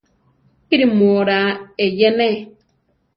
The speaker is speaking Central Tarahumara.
¿Píri mu oraa eyene?